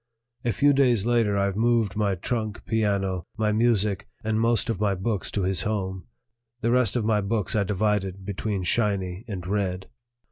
A few days later I moved my trunk, piano, my music, and most of my books to his home; the rest of my books I divided between "Shiny" and "Red."